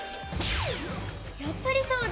やっぱりそうだ！